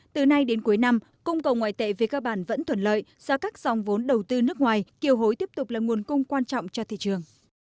từ nay đến cuối năm cung cầu ngoại tệ về cơ bản vẫn thuận lợi do các dòng vốn đầu tư nước ngoài kiều hối tiếp tục là nguồn cung quan trọng cho thị trường